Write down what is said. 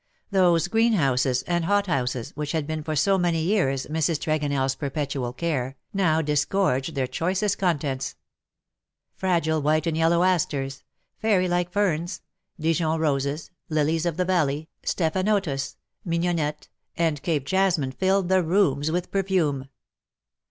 Those greenhouses and hothouses, which had been for so many years Mrs. TregonelFs perpetual care, now *^AND PALE FROM THE PAST," ETC. 165 disgorged their choicest contents. Fragile white and yellow asters, fairy like lerns, Dijon roses, lilies of the valley, stephanotis, mignonette, and Cape jasmine filled the rooms with perfume.